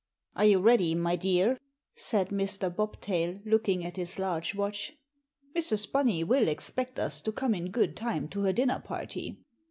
"Are you ready, my dear?" said Mr. Bobtail, looking at his large watch. "Mrs. Bunny will expect us to come in good time to her dinner party."